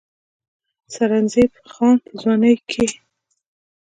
سرنزېب خان پۀ ځوانۍ کښې